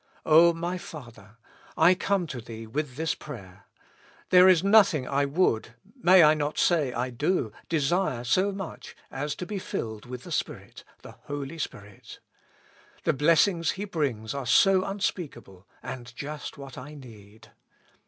O my Father ! I come to Thee with thi prayer ; there is nothing I would— may I not s /, I do — desire so much as to be filled with th Spirit, the Holy Spirit. The blessings He brir , are so un speakable, and just what I need.